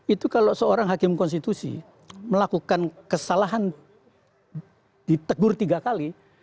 itu kalau seorang hakim konstitusi melakukan kesalahan ditegur tiga kali